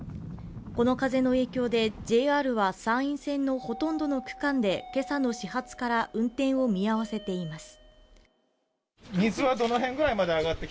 この風の影響でＪＲは山陰線のほとんどの区間でけさの始発から運転を見合わせています